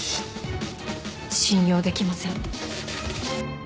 信用できません。